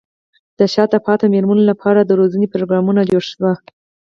د شاته پاتې مېرمنو لپاره د روزنې پروګرامونه جوړ شي.